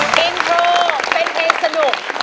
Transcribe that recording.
กินโทรเป็นไงสนุก